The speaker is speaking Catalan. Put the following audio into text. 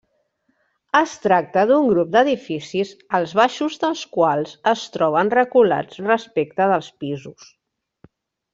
Es tracta d'un grup d'edificis els baixos dels quals es troben reculats respecte dels pisos.